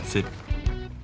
assalamualaikum pak rt